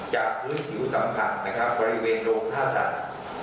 จากคืนผิวสำถักบริเวณโรค๕สัตว์